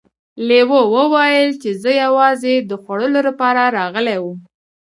لیوه وویل چې زه یوازې د خوړو لپاره راغلی وم.